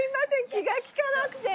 気が利かなくて。